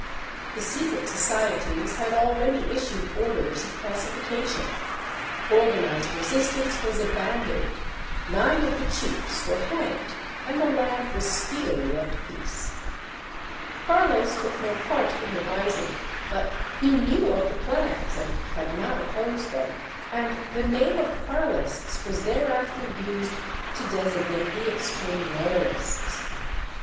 The secret societies had already issued orders of pacification; organized resistance was abandoned, nine of the chiefs were hanged and the laud was speedily at peace. Carlos took no part in the rising, but he knew of the plans and had not opposed them, and the name of Carlists was thereafter used to designate the extreme royalists.